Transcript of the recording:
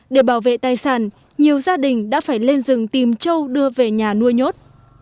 để bảo vệ tài sản nhiều gia đình đã phải lên rừng tìm châu đưa về nhà nuôi nhốt